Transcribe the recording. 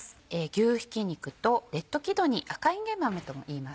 牛ひき肉とレッドキドニー赤いんげん豆ともいいますね。